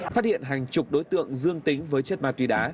phát hiện hàng chục đối tượng dương tính với chất ma túy đá